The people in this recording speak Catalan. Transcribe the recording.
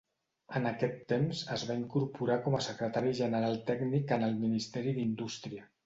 En aquest temps es va incorporar com a Secretari General Tècnic en el Ministeri d'Indústria.